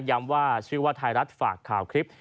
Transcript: ย้ำว่าชื่อว่าไทยรัฐฝากข่าวคลิป